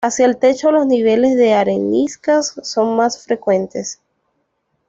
Hacia el techo los niveles de areniscas son más frecuentes.